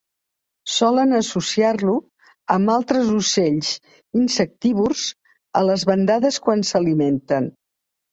Solen associar-lo amb altres ocells insectívors a les bandades quan s'alimenten.